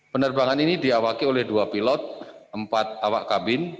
penerbangan ini diawaki oleh dua pilot empat awak kabin